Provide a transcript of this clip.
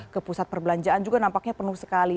kepusat perbelanjaan juga nampaknya penuh sekali